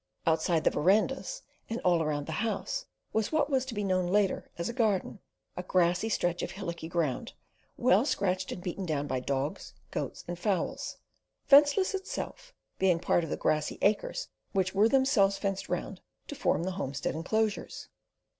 Outside the verandahs, and all around the house, was what was to be known later as the garden, a grassy stretch of hillocky ground, well scratched and beaten down by dogs, goats, and fowls; fenceless itself, being part of the grassy acres which were themselves fenced round to form the homestead enclosures.